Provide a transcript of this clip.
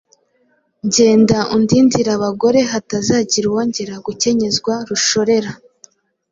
Genda undindire abagore hatazagira uwongera gukenyezwa Rushorera!”